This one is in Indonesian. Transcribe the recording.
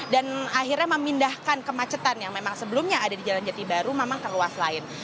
dan akhirnya memindahkan kemacetan yang memang sebelumnya ada di jalan jati baru memang ke luas lain